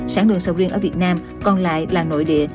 sản lượng sầu riêng ở việt nam còn lại là nội địa